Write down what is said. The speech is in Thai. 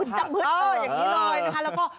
เอออย่างนี้เลยนะคะแล้วก็